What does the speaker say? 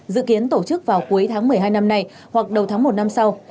dự kiến tổ chức vào cuối tháng một mươi hai năm nay hoặc đầu tháng một năm sau